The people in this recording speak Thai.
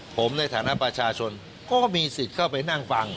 ผมในฐานะประชาชนก็มีสิทธิ์เข้าไปนั่งฟัง